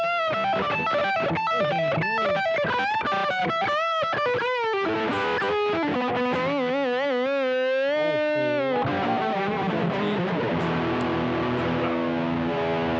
ไม่ใช่หาอะไรดีคิม